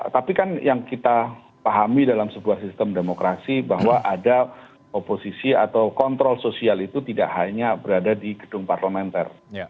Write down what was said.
tapi kan yang kita pahami dalam sebuah sistem demokrasi bahwa ada oposisi atau kontrol sosial itu tidak hanya berada di gedung parlementer